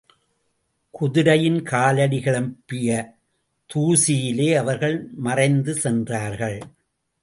குதிரையின் காலடி கிளப்பிய தூசியிலே அவர்கள் மறைந்து சென்றார்கள்.